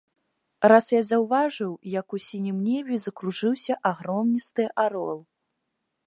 Раз я заўважыў, як у сінім небе закружыўся агромністы арол.